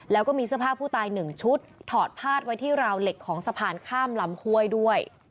แล้วก็มีเสื้อผ้าผู้ตาย๑ชุดถอดพาดไว้ที่ราวเหล็กของสะพานข้ามลำห้วยด้วย